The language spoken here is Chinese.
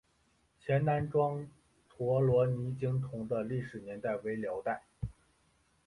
前南庄陀罗尼经幢的历史年代为辽代。